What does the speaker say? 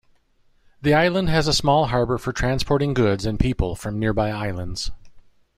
The island has a small harbor for transporting goods and people from nearby islands.